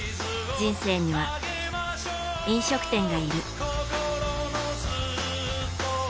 人生には、飲食店がいる。